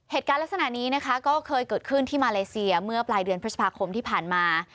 เหตุการณ์ลักษณะนี้นะคะก็เคยเกิดขึ้นที่มาเลเซียเมื่อปลายเดือนพฤษภาคมที่ผ่านมา